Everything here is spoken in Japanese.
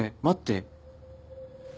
待って。